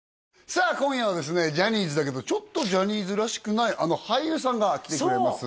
さあ今夜はですねジャニーズだけどちょっとジャニーズらしくないあの俳優さんが来てくれます